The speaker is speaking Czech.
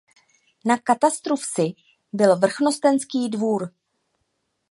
Na katastru vsi byl vrchnostenský dvůr.